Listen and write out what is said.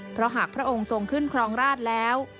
เพราะหากพระองค์ทรงขึ้นครองราชแล้ว